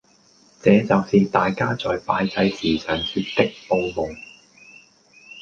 這就是大家在拜祭時常說旳報夢